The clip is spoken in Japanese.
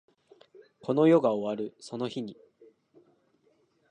この世が終わるその日に